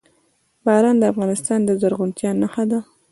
باران د افغانستان د زرغونتیا نښه ده.